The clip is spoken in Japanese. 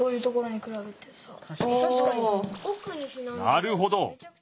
なるほど！